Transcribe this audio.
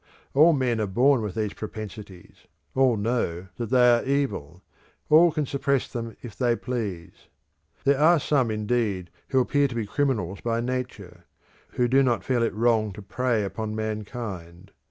All men are born with these propensities; all know that they are evil; all can suppress them if they please. There are some, indeed, who appear to be criminals by nature; who do not feel it wrong to prey upon mankind.